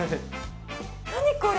何、これ？